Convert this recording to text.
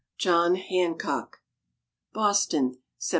JOHN HANCOCK Boston, Sept.